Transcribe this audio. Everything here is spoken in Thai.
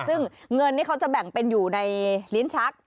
ซึ่งเงินนี่เขาจะแบ่งเป็นอยู่ในลิ้นชัก